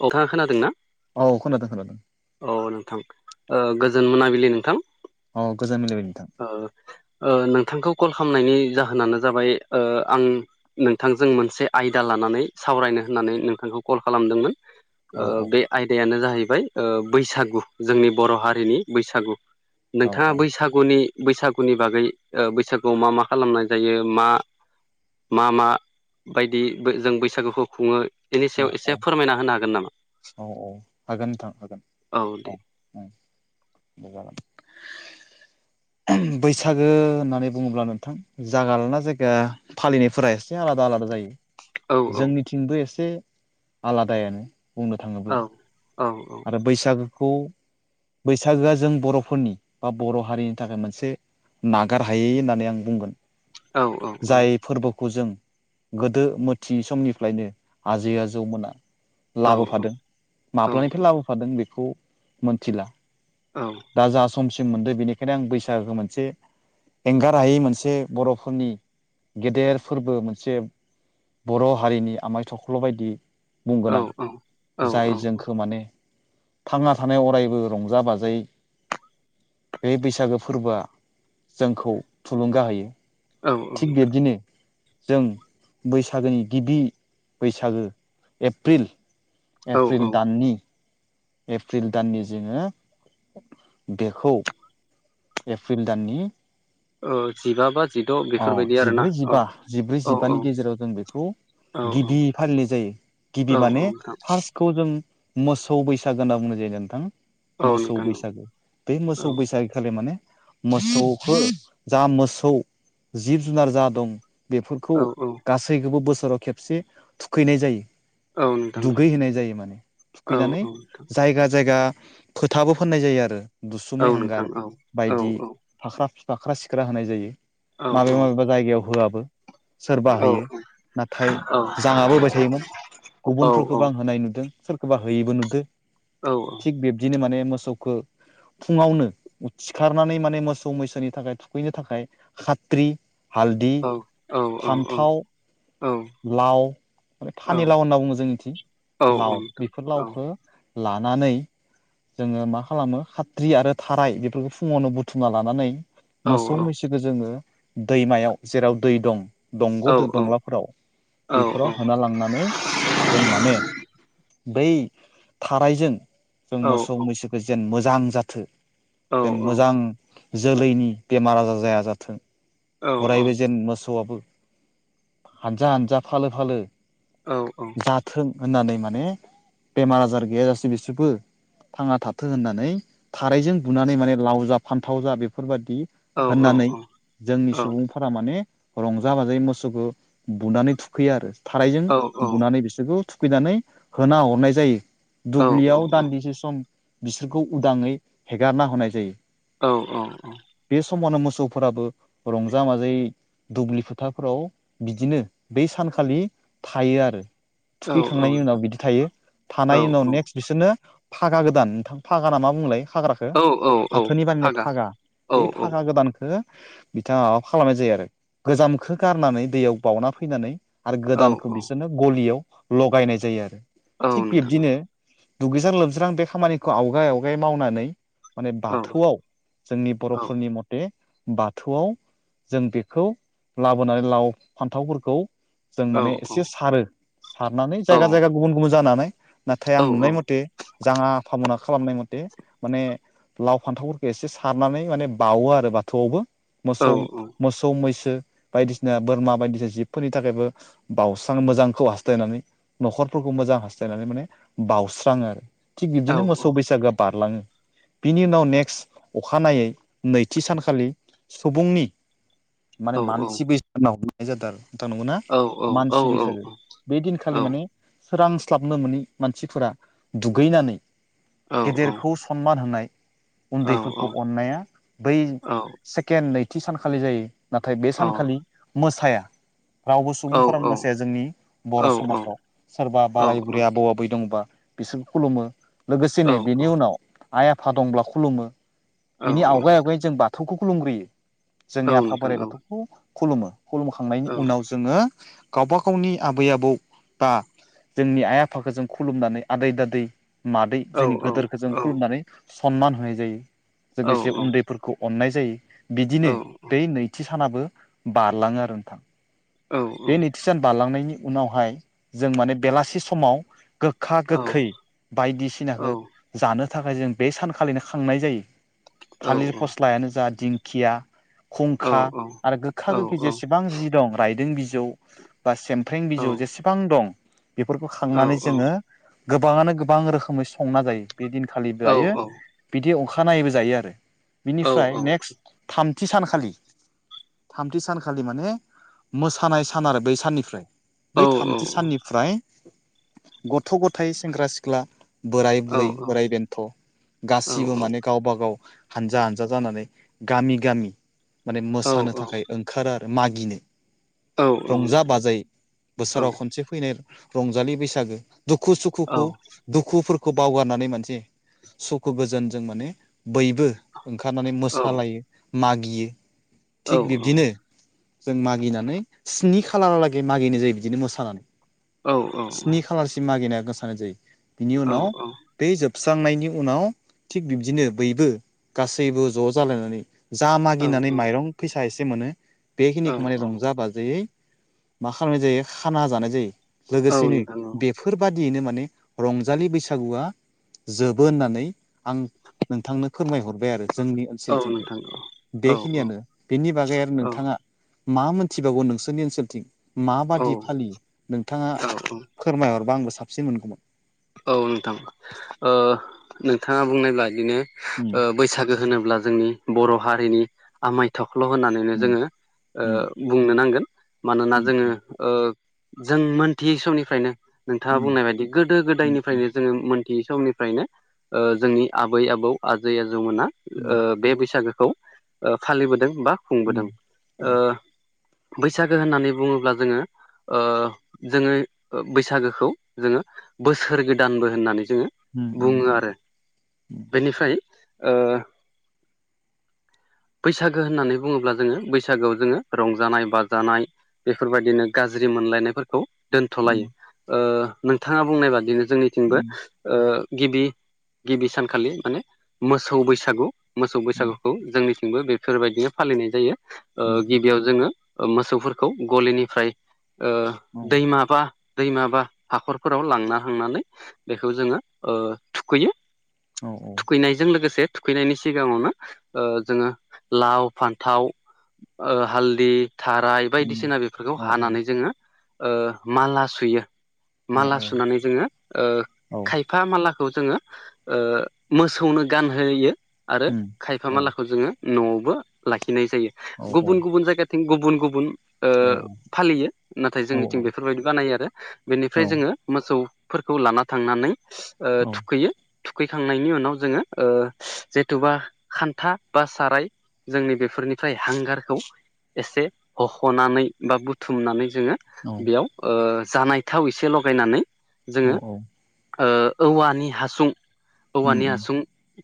औ नोंथांङा खोनादोंना? औ खोनादों -खोनादों। औ नोंथां ओ गोजोन मोनाबिलि नोंथां। औ गोजान मोनाबिलि नोंथां। ओ नोंथांखौ कल खालामनायनि जाहोनानो जाबाय ओ आं नोंथांजों मोनसे आयदा लानानै सावरायनो होननानै नोंथांखौ कल खालामदोंमोन। औ ओ बे आयदायानो जाहैबाय ओ बैसागु। जोंनि बर' हारिनि बैसागु। औ नोंथांङा बैसागुनि- बैसागुनि बागै बैसागुआव मा- मा खालामनाय जायो मा मा- मा बायदि जों बैसागुखौ खुङो बेनि औ सायाव एसे फोरमायना होनो हागोन नामा? औ- औ हागोन नोंथां हागोन। औ दे। ओ दे जागोन। [unintelligible] बैसागो होननानै बुङोब्ला नोंथां। जायगा लाना जायगा फालिनायफोरा एसे आलादा- आलादा औ जायो। औ जोंनिथिंबो एसे आलादायानो बुंनो औ थाङोब्ला। औ औ आरो बैसागोखौ बैसागोआ जों बर'फोरनि बा बर' हारिनि थाखाय मोनसे नागारहायै होननानै आं बुंगोन औ औ जाय फोरबोखौ जों गोदो मोथियै समनिफ्रायनो आजै आजौ मोना औ- औ। मानिफ्राय लाबोफादों बेखौ मोनथिला। औ। दा जा समसिम मोनदों बेनिखायनो आं बैसागोखौ मोनसे एंगार हायै मोनसे बर'फोरनि गेदेर फोरबो मोनसे बर' हारिनि आमाय थख्ल' बायदि औ बुंगोनां औ जाय जोंखौ खौ माने थांना थानाय अरायबो रंजा बाजायै बे बैसागो फोरबोआ जोंखौ थुलुंगा होयो औ थिग बिब्दिनो जों बैसागोनि गिबि बैसागो एप्रिल औ औ एप्रिल दाननि एप्रिल दाननि जोङो देखौ एप्रिल दाननि अ जिगाबा औ जिब्रै जिबा जिब्रै औ जिबानि गेजेराव जों बेखौ औ गिबि फालिनाय जायो औ गिबि माने नोंथां फार्स्ट खौ जों मोसौ बैसागो होनना बुंनाय जायो नोंथां औ मोसौ नोंथां बैसागो बे औ मोसौ बैसागो खालि माने मोसौखौ जा मोसौ जिब जुनार जा दं बेफोरखौ औ औ गासैखौबो बोसोराव खेबसे थुखैनाय जायो औ नोंथां दुगैहोनाय जायो माने औ थुखैनानै औ नोंथां जायगा जायगा फोथाबो फोननाय जायो आरो औ दुसुमै नोंथां हांगार औ औ बायदि नोंथां औ फाख्रा फाख्रा सिख्रा होनाय जायो माबेबा माबेबा जायगायाव होआबो सोरबा होयो नाथाय जाङाबो होबाय थायोमोन गुबुनफोरखौबो आं होनाय नुदों सोरखौबा होयैबो नुदों औ औ थिग बिब्दिनो माने मोसौखौ फुङावनो सिखारनानै माने मोसौ मैसोनि थाखाय थुखैनो थाखाय खाथ्रि हालदि फान्थाव लाव माने फानि लाव होनना बुङो जोंनिथिं लाव बेफोर लावखौ लानानै जोङो मा खालामो खाथ्रि आरो थाराय बेफोरखौ फुङावनो बुथुमना लानानै मोसौ मैसोखौ जोङो दैमायाव जेराव दै दं दंग' दंलाफोराव बेफोराव होना लांनानै जों माने बै थारायजों जों मोसौ मैसो बे जेन मोजां जाथों जेन मोजां जोलैनि बेमार आजार जाया जाथों अरायबो जेन मोसौआबो हानजा हानजा फालो फालो जाथों होननानै माने बेमार आजार गैयाजासे बिसोरबो थाङा थाथों होननानै थारैजों बुनानै माने लाव जा फान्थाव जा बेफोरबायदि होननानै औ औ जोंनि औ फारा माने रंजा बाजायै मोसौखौ बुनानै थुखैयो आरो थारैजों औ बुनानै बिसोरखौ थुखैनानै होना हरनाय जायो औ दुब्लियाव दान्दिसे सम बिसोरखौ उदाङै हेगारना होनाय जायो औ औ औ बे समावनो मोसौफोराबो रंजा बाजायै दुब्लि फोथारफोराव बिदिनो बै सानखालि थायो आरो औ औ नोंथां औ थुखैखांनायनि उनाव बिदि थायो थानाय उनाव नेक्स्ट बिसोरनो फागा गोदान नोंथां फागा ना मा बुंडामोनलाय खाग्रा खो औ औ औ फाथोनि बानायनाय फागा औ बे औ फागा गोदानखौ बिथाङा माबा खालामनाय जायो आरो गोजामखौ गारनानै दैयाव बाउना फैनानै आरो औ गोदानखौ औ बिसोरनो गलियाव लगायनाय जायो आरो औ थिग नोंथां बिब्दिनो दुगैज्रां लोबज्रां बे खामानिखौ आवगाय आवगाय मावनानै माने औ बाथौआव जोंनि औ बर'फोरनि मथे बाद थौआव जों बेखौ लाबोनानै लाव फान्थावफोरखौ जों औ माने एसे सारो सारनानै औ जायगा जायगा गुबुन गुबुन जानानै नाथाय औ आं औ नुनाय मथे जाङा आफामना खालामनाय मथे माने लाव फान्थावफोरखौ एसे सारनानै माने बावो आरो बाथौआवबो। मोसौ औ मोसौ मैसो बायदिसिना बोरमा बायदिसिना जिबफोरनि थाखायबो बाउस्रां मोजांखौ हास्थायनानै न'खरफोरखौ मोजां हास्थायनानै माने बावउस्राङो आरो। थिग बिदिनो औ मोसौ बैसागोआ बारलाङो। बिनि उनाव नेक्स्ट अखानायै नैथि सानखालि सुबुंनि माने औ मानसि बैसाना हमनाय जादों आरो नोंथां नंगौ ना? औ औ नोंथां औ मानसि औ बैसागो बे दिनखालि माने सोरांस्लाबनो मोनै मानसिफोरा दुगैनानै गेदेर खौ सनमान होनाय उन्दैफोरखौ अन्नाया बै सेकेन्द नैथि सानखालि जायो नाथाय बे सानखालि मोसाया। रावबो सुबुंफोरानो मोसाया जोंनि बर' समाजाव सोरबा बोराय बुरै आबौ आबै दंबाबो बिसोर खुलुमो लोगोसेनो बेनि उनाव आइ आफा दंब्ला खुलुमो। बिनि आवगाय आवगायै जों बाथौखौ खुलुमग्रोयो। जोंनि आफा बोराइ बाथौखौ खुलुमो। खुलुमखांनायनि उनाव जोङो गावबा गावनि आबै आबौ बा जोंनि आइ आफाखौ जों खुलुमनानै आदै दादै मादै जोंनि गोदोरखौ जों खुलुमनानै सनमान होनाय जायो लोगोसे उन्दै फोरखौ अन्नाय जायो बिदिनो बै नैथि सानाबो बारलाङो आरो नोंथां। औ औ थिसान बारलांनायनि उनावहाय जों माने बेलासि समाव गोखा गोखै बायदिसिनाखो जानो थाखाय जों बे सानखालिनो खांनाय जायो औ औ थालिर औ फस्लायानो जा दिंखिया औ खुंखा आरो औ गोखा गोखै औ जेसे बां जि दं रायदों बिजौ बा सेमफ्र्रें औ बिजौ जेसेबां दं बेफोरखौ औ खांनानै औ जोङो गोबाङानो गोबां रोखोमै संना जायो। बे दिनखालि औ जायो बिदि अखानायैबो जायो आरो औ बिनिफ्राय नेक्स्ट थामथि सानखालि थामथि सानखालि माने मोसानाय सान आरो बै साननिफ्राय। बै थामथि साननिफ्राय गथ' गथाय सेंग्रा सिख्ला बोराय औ बुरै बोराय बेन्थ' गासिबो माने गावबा गाव हानजा हानजा जानानै गामि गामि माने औ नोंथां औ मोसानो औ नोंथां थाखाय ओंखारो आरो मागिनो। औ रंजा नोंथां बाजायै औ बोसोराव खनसे फैनाय रंजालि बैसागो। दुखु औ सुखुखौ औ दुखुफोरखौ बावगारनानै माने सुखु गोजोनजों माने बयबो ओंखारनानै औ सालायो मागियो थिग बिब्दिनो जों मागिनानै स्नि खालारालागै मागिनाय जायो बिदिनो मोसानानै। औ औ औ। स्नि खालारसिम मागिनाया गोसानो जायो बिनि उनाव बे जोबस्रांनायनि उनाव थिग बिब्दिनो बैबो गासैबो ज' जालायनानै जा औ मागिनानै माइरं फैसा एसे मोनो बेखिनिखौ माने रंजा बाजायै मा खालामनाय जायो खाना जानाय जायो लोगोसेनो बे बेफोरबादियैनो माने रंजालि बैसागुआ जोबो होननानै आं नोंथांनो फोरमायहरबाय आरो जोंनि ओनसोल बेखिनियानो बेनि बागै आरो नोंथाङा मा मोनथिबावगौ नोंसोरनि ओनसोलथिं माबादि फालियो नोंथाङा। फोरमायहरबा आंबो साबसिन मोनगौमोन। औ नोंथां ओ नोंथाङा बुंनाय बादिनो। उम बैसागु होनोब्ला जोंनि बर' हारिनिनो आमाय थख्ल' होननानैनो उम जोंङो उम ओ बुंनो नांगोन मानोना जोंङो ओ जों मोनथियै समनिफ्रायनो। नोंथाङा उम बुंनाय बायदि गोदो गोदायनिफ्राय उम जोङो मोनथियै समनिफ्रायनो जोंनि आबै आबौ आजै आजौमोना। उम बे बैसागुखौ फालिबोदों बा उम खुंबोदों। औ उम बैसागु होननानै बुङोब्ला जोङो। ओ जोङो बैसागुखौ जोङो बोसोर गोदानबो होननानै जोङो उम उम बुङो आरो। उम बेनिफ्राय ओ बैसागु होननानै बुङोब्ला जोङो बैसागुआव जोङो रंजानाय बाजानाय बेफोरबायदिनो गाज्रि मोनलायनायफोरखौ दोनथ'लायो उम ओ नोंथाङा बुंनाय बादिनो जोंनिथिंबो उम ओ गिबि गिबि सानखालि माने मोसौ बैसागु मोसौ बैसागुखौ जोंनिथिंबो बेफोरबायदिनो फालिनाय जायो। ओ उम उम गिबियाव जोङो मोसौफोरखौ गलिनिफ्राय औ दैमाबा दैमाबा हाखर फोराव लांना थांनानै बेखौ जोङो थुखैयो। औ औ। थुखैनायजों लोगोसे थुखैनायनि सिगाङावनो जोङो लाव फान्थाव हालदै, थाराय उम बायदिसिना बेफोरखौ औ औ हानानै जोङो माला सुयो। औ माला सुनानै जोङो। ओ औ खायफा मालाखौ जोङो मोसौनो गानहोयो। आरो उम खायफा औ मालाखौ जोङो न'आवबो लाखिनाय जायो। औ औ गुबुन गुबुन जायगाथिं थिं गुबुन गुबुन औ फालियो नाथाय औ जोंनिथिं बेफोरबायदि बानायो आरो। फ्राय जोङो मोसौफोरखौ लाना थांनानै औ थुखैयो। थुखैखांनायनि उनाव जोङो जेथुबा खान्था बा साराय जोंनि बेफोरनिफ्राय हांगारखौ एसे हख'नानै बा बुथुमनानै जोङो औ बेयाव जानाय थाव एसे लगायनानै औ जोङो औ ओ औवानि हासुं उम औवानि उम हासुं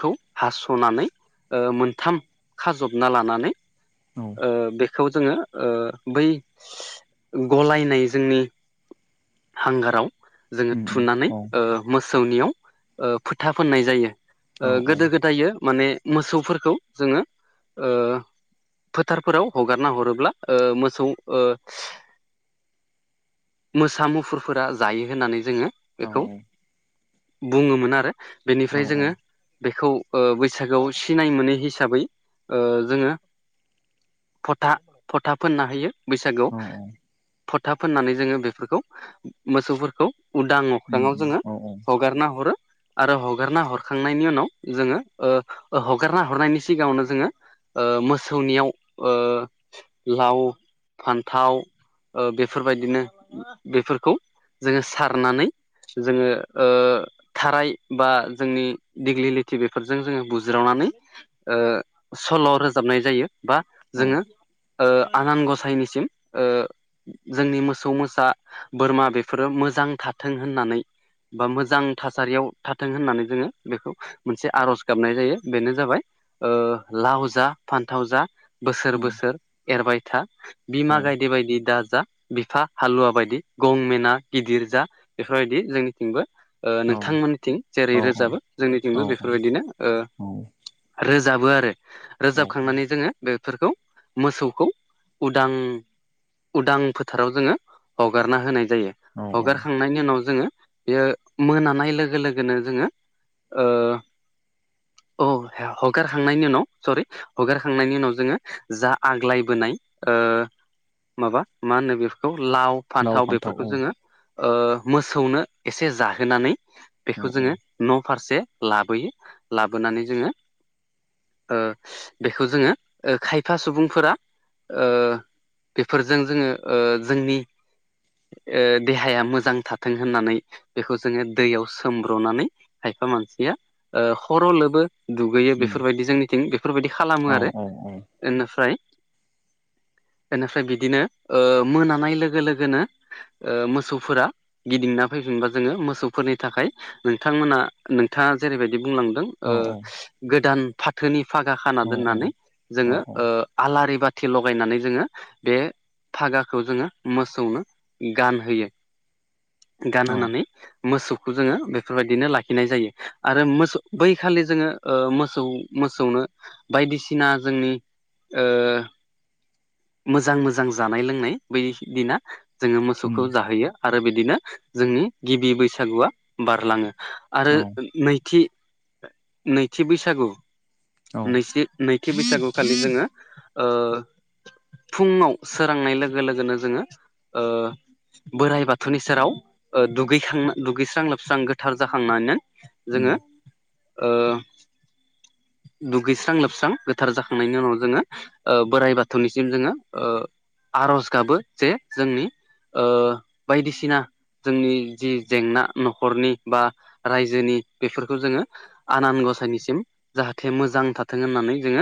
खौ हास'नानै मोनथाम खाजबना लानानै औ ओ बेखौ जोङो बै गलायनाय जोंनि हांगाराव जोङो उम उम थुनानै औ मोसौनियाव फोथा फोननाय जायो। ओ औ गोदो गोदायो माने मोसौफोरखौ जोङो फोथारफोराव हगारना हरोब्ला ओ मोसौ ओ मोसा मुफुरफोरा जायो होननानै जोङो औ बेखौ बुङोमोन आरो। औ बेनिफ्राय जोङो बेखौ बैसागुआव सिनाय मोनै हिसाबै जोङो फोथा फोथा फोनना होयो। बैसागुआव औ फोथा फोननानै जोङो बेफोरखौ मोसौफोरखौ उदाङाव उम अख्रांआव उम जोङो औ हगारना हरो। आरो हगारना हरखांनायनि उनाव जोङो हगारना हरनायनि सिगाङावनो जोङो ओ मोसौनियाव ओ लाव फान्थाव बेफोरबायदिनो बेफोरखौ जोंङो सारनानै जोंङो ओ थाराय बा जोंनि दिग्लिलिथि बेफोरजों जोङो बुज्रावनानै ओ सल' रोजाबनाय जायो बा औ जोंङो ओ आनान गसाइनिसिम ओ जोंनि मोसौ मोसो फिसा बोरमा बेफोरो मोजां थाथों होननानै बा मोजां थासारियाव थाथों होननानै जोङो बेखौ मोनसे आर'ज गाबनाय जायो बेनो जाबाय ओ लाव जा फान्थाव जा बोसोर बोसोर एरबाय था बिमा औ गायदि बायदि दा जा बिफा हालुवा बायदि गं मेना गिदिर जा बेफोरबायदि जोंनिथिंबो ओ नोंथांमोननिथिं जेरै रोजाबो जोंनिथिंबो बेफोरबायदिनो ओ रोजाबो आरो रोजाबखांनानै जोंङो बेफोरखौ मोसौखौ उदां उदां फोथाराव जोंङो बे हगारना होनाय जायो, औ औ हगारखां नायनि उनाव जोंङो बेयो मोनानाय लोगो लोगोनो जोंङो ओ औ हगारखांनायनि उनाव सरि हगारखांनायनि उनाव जोंङो जा आग्लायबोनाय ओ माबा मा होनो बे लाव फान्थाव बेफोरखौ जोंङो मोसौनो एसे जाहोनानै औ बेखौ औ जोङो न' फारसे लाबोयो, लाबोनानै जोंङो ओ बेखौ जोंङो खायफा सुबुंफोरा ओ बेफोरजों जोंङो ओ जोंनि ओ देहाया मोजां थाथों होननानै बेखौ जोंङो दैयाव सोमब्र'नानै खायफा मानसिया ओ हर' लबो दुगैयो उम बेफोरबायदि जोंनिथिं बेफोरबायदि औ खालामोआरो। औ औ बेनिफ्राय बेनिफ्राय बिदिनो ओ मोनानाय लोगो लोगोनो ओ मोसौफोरा गिदिंना फैफिनबा जोंङो मोसौफोरनि थाखाय नोंथांमोना नोंथाङा जेरैबायदि बुंलांदों ओ औ गोदान फाथोनि फागा खाना दोननानै औ जोङो औ ओ आलारि बाथि लगायनानै जोंङो बे फागा खौ जोंङो मोसौनो गानहोयो, औ गानहोनानै मोसौखौ जोनङो बेफोरबायदिनो लाखिनाय जायो आरो मोसौ बैखालि जोंङो ओ मोसौ मोसौनो बायदिसिना जोंनि ओ मोजां मोजां जानाय लोंनाय बै दिना जोंङो उम मोसौखौ जाहोयो। आरो बिदिनो जोंनि गिबि बैसागुआ बारलांङो आरो औ नैथि नैथि बैसागु औ नै नैथि बैसागु खालि जोंङो ओ फुङाव सोरांनाय लोगो लोगोनो जोंङो ओ बोराइ बाथौनि सेराव ओ दुगैखां दुगैस्रां लोबस्रां गोथार जाखांनानै उम जोंङो ओ दुगैस्रां लोबस्रां गोथार जाखांनायनि उनाव जोङो ओ बोराइ बाथौनिसिम जोंङो ओ आरज गाबो जे जोंनि ओ बायदिसिना जोंनि जि जेंना न'खरनि बा रायजोनि बेफोरखौ जोंङो आनान गसाइनिसिम जाथे मोजां थाथों होननानै जोंङो